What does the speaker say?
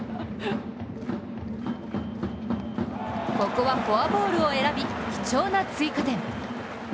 ここはフォアボールを選び貴重な追加点。